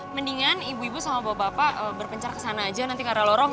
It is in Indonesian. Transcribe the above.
mendingan ibu bawa bapak berpencar ke sana aja nanti ga ada lorong